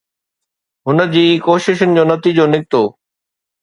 هن جي ڪوششن جو نتيجو نڪتو.